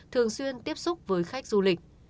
thường xuyên tiếp xúc với khách du lịch